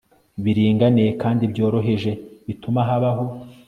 biringaniye kandi byoroheje bituma habaho